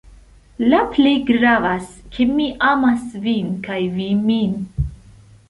La plej gravas, ke mi amas vin kaj vi min.